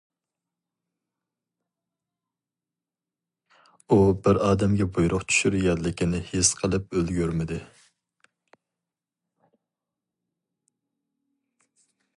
ئۇ بىر ئادەمگە بۇيرۇق چۈشۈرگەنلىكىنى ھېس قىلىپ ئۈلگۈرمىدى.